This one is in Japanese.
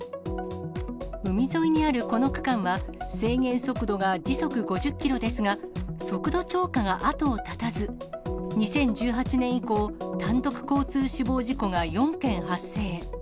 海沿いにあるこの区間は、制限速度が時速５０キロですが、速度超過が後を絶たず、２０１８年以降、単独交通死亡事故が４件発生。